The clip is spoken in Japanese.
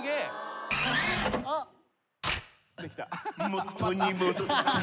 元に戻った。